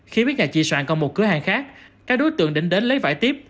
khi biết nhà chị soạn còn một cửa hàng khác các đối tượng định đến lấy vải tiếp